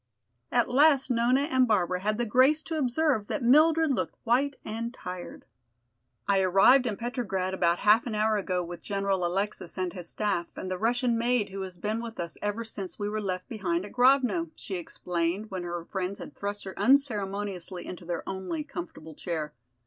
At last Nona and Barbara had the grace to observe that Mildred looked white and tired. "I arrived in Petrograd about half an hour ago with General Alexis and his staff and the Russian maid who has been with us ever since we were left behind at Grovno," she explained, when her friends had thrust her unceremoniously into their only comfortable chair.